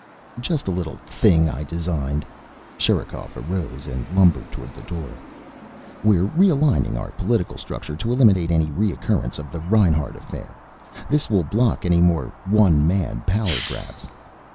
"Just a little thing I designed." Sherikov arose and lumbered toward the door. "We're realigning our political structure to eliminate any recurrence of the Reinhart affair. This will block any more one man power grabs."